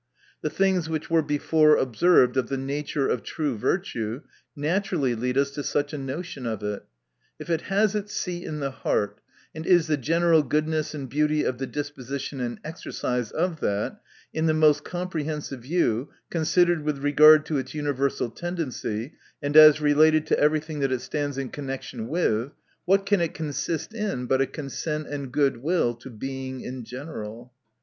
The things which were before observed of the nature of true virtue, naturally lead us to such a notion of it. If it has its seat in the heart, and is the general goodness and beauty of the disposition and exercise of that, in the most compre hensive view, considered with regard to its universal tendency, and as related to every thing that it stands in connection with ; what can it consist in, but a consent and good will to Being in general